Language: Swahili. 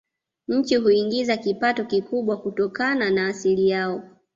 Nchi huiingizia kipato kikubwa kutokana na asili yao